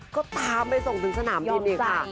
ก็ตามไปส่งถึงสนามบินอีกค่ะ